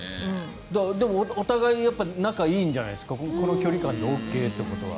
でも、お互い仲がいいんじゃないですかこの距離感でＯＫということは。